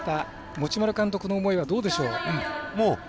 持丸監督の思いはどうでしょう？